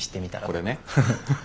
これね。